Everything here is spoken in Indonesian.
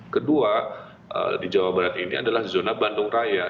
kedua di jawa barat ini adalah zona bandung raya